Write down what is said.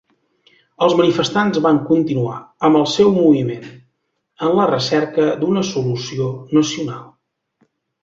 Els manifestants van continuar amb el seu moviment, en la recerca d'una solució nacional.